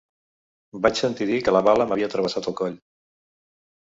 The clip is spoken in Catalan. Vaig sentir dir que la bala m'havia travessat el coll